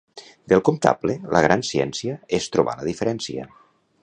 Del comptable, la gran ciència és trobar la diferència.